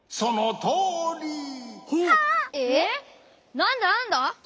なんだなんだ？